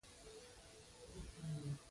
قوانین لومړی په کمیسیون کې څیړل کیږي.